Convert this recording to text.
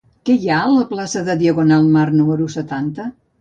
Què hi ha a la plaça de Diagonal Mar número setanta?